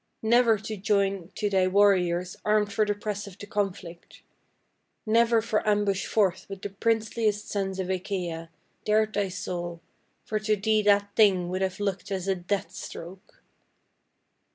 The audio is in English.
Never to join to thy warriors armed for the press of the conflict, Never for ambush forth with the princeliest sons of Achaia Dared thy soul, for to thee that thing would have looked as a death stroke.